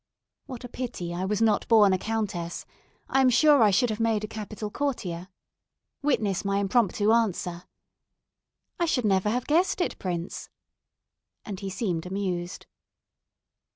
What a pity I was not born a countess! I am sure I should have made a capital courtier. Witness my impromptu answer: "I should never have guessed it, Prince." And he seemed amused.